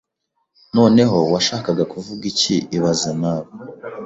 Noneho, washakaga kuvuga iki ibaze nawe